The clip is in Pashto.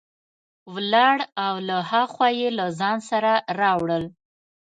ولاړ او له ها خوا یې له ځان سره راوړل.